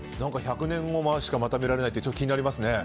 １００年後しか見られないって気になりますね。